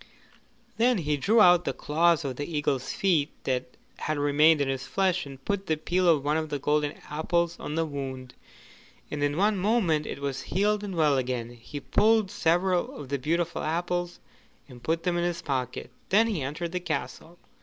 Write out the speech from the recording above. Then he drew out the claws of the eagle's feet that had remained in his flesh, and put the peel of one of the golden apples on the wound, and in one moment it was healed and well again. He pulled several of the beautiful apples and put them in his pocket; then he entered the castle.